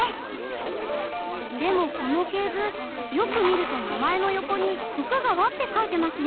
でもこの系図よく見ると名前の横に「川」って書いてますね。